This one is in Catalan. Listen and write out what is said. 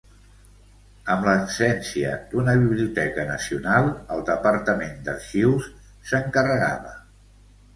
Amb l'absència d'una biblioteca nacional, el Departament d'Arxius s'encarregava.